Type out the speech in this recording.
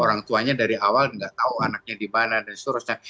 orang tuanya dari awal nggak tahu anaknya di mana dan seterusnya